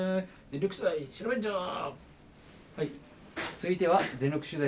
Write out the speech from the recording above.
続いては「全力取材！